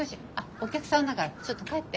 お客さんだからちょっと帰って。